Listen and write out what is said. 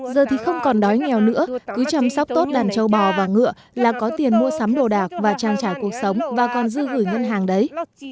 giờ thì không còn đói nghèo nữa cứ chăm sóc tốt đàn châu bò và ngựa là có tiền mua sắm đồ đạc và trang trải cuộc sống và còn dư gửi ngân hàng đấy